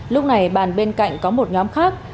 lúc này bàn bên cạnh có một nhóm khác